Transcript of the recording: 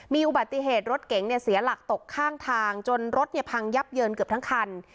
มีอุบัติเหตุรถเก๋งเสียหลักตกข้างทางจนรถพังยับเยินเกือบทั้งคัน